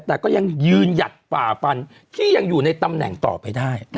แต่ก็ยังยืนหยัดฝ่าฟันที่ยังอยู่ในตำแหน่งต่อไปได้